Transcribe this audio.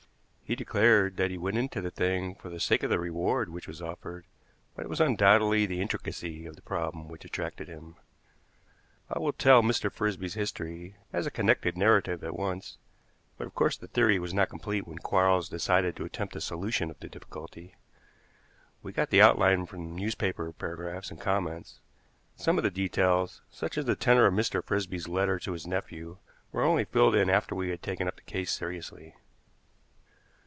He declared that he went into the thing for the sake of the reward which was offered, but it was undoubtedly the intricacy of the problem which attracted him. I will tell Mr. Frisby's history as a connected narrative at once; but, of course, the theory was not complete when Quarles decided to attempt the solution of the difficulty. We got the outline from newspaper paragraphs and comments; but some of the details, such as the tenor of Mr. Frisby's letter to his nephew, were only filled in after we had taken up the case seriously.